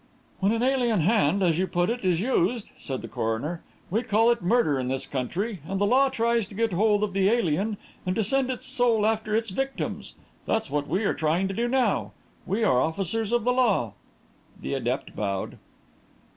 "When an alien hand, as you put it, is used," said the coroner, "we call it murder in this country, and the law tries to get hold of the alien and to send his soul after his victim's. That's what we are trying to do now. We are officers of the law." The adept bowed.